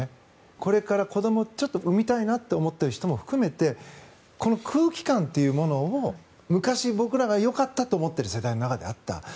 これから子どもを産みたいなと思っている人も含めてこの空気感というものを昔、僕らがよかったと思っている世代の中であった。